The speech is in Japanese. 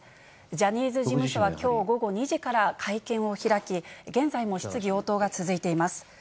ジャニーズ事務所はきょう午後２時から会見を開き、現在も質疑応答が続いています。